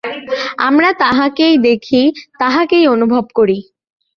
আমরা তাঁহাকেই দেখি, তাঁহাকেই অনুভব করি।